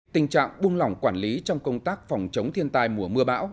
tình trạng buông lỏng quản lý trong công tác phòng chống thiên tai mùa mưa bão